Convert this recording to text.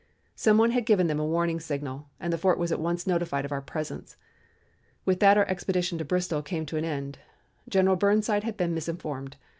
Some one had given them a warning signal, and the fort was at once notified of our presence. With that our expedition to Bristol came to an end. General Burnside had been misinformed.